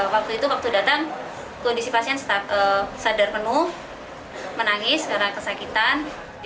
waktu itu waktu datang kondisi pasien sadar penuh menangis karena kesakitan